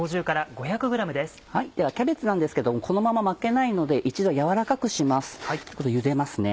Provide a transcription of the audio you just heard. ではキャベツなんですけどもこのまま巻けないので一度やわらかくしますゆでますね。